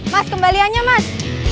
mas kembaliannya mas